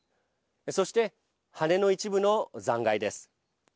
そして、羽の一部の残骸です。